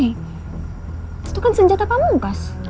itu kan senjata pamungkas